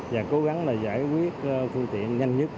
và cố gắng giải quyết phương tiện nhanh nhất